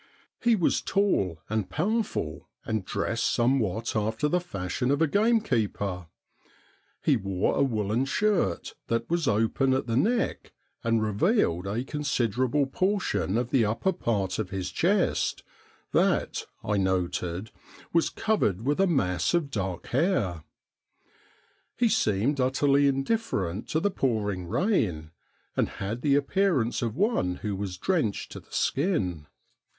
He was tall and powerful, and dressed somewhat after the fashion of a gamekeeper. He wore a woollen shirt that was open at the neck, and revealed a considerable portion of the upper part of his chest, that, I noted, was covered with a mass of dark hair. He seemed utterly indifferent to the pouring rain, and had the appearance of one who was drenched to the skin.